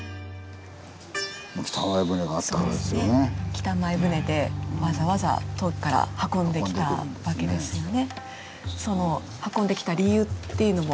北前船でわざわざ遠くから運んできたわけですよね。